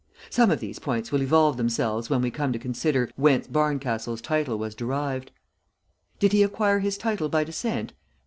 Some of these points will evolve themselves when we come to consider whence Barncastle's title was derived. "Did he acquire his title by descent?